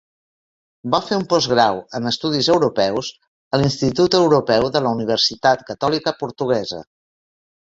Va fer un postgrau en Estudis Europeus, a l'Institut Europeu de la Universitat Catòlica Portuguesa.